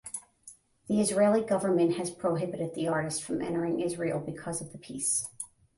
The Israeli government has prohibited the artist from entering Israel because of the piece.